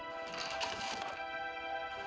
ini udah kaget